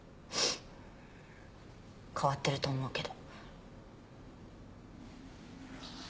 変わってると思うけど。